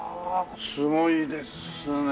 すごいですね。